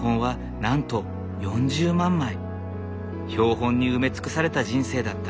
標本に埋め尽くされた人生だった。